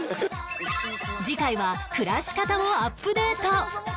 次回は暮らし方をアップデート